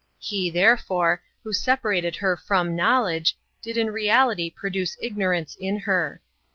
He, therefore, who separated her from knowledge, did in reality produce ignorance in her.